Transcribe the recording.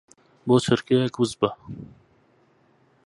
بۆ چرکەیەک وس بە.